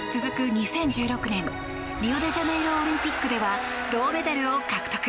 ２０１６年リオデジャネイロオリンピックでは銅メダル獲得。